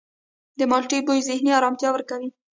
د مالټې بوی ذهني آرامتیا ورکوي.